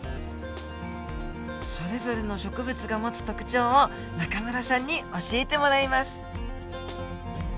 それぞれの植物が持つ特徴を中村さんに教えてもらいます。